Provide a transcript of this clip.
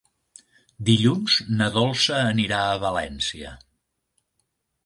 Dilluns na Dolça anirà a València.